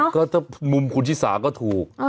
ก็ถ้ามุมคุณชิสาก็ถูก